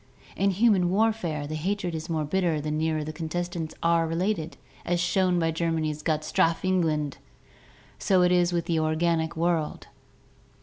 In human warfare, the hatred is more bitter the nearer the contestants are related, as shown by Germany's "Gott strafe England!"; so it is with the organic world.